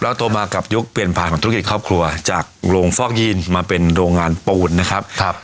แล้วโตมากับยุคเปลี่ยนผ่านธุรกิจครอบครัวจากโรงฟอกยีนมาเป็นโรงงานปูนนะครับ